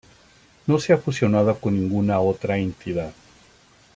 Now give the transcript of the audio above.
No se ha fusionado con ninguna otra entidad.